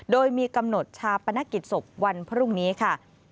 โดยมีกำหนดชาปนกิจศพวันพรุ่งนี้ค่ะ